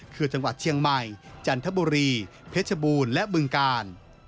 คือจังหวัดเชียงใหม่จันทบุรีเพชรบูรณ์และบึงกาล